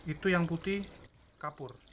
itu yang putih kapur